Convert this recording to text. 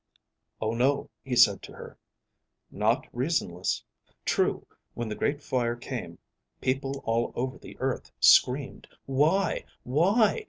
"Oh no," he said to her. "Not reasonless. True, when the Great Fire came, people all over the earth screamed, 'Why? Why?